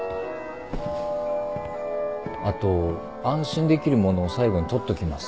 あと安心できるものを最後にとっときます。